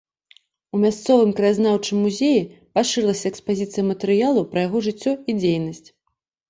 У мясцовым краязнаўчым музеі пашырылася экспазіцыя матэрыялаў пра яго жыццё і дзейнасць.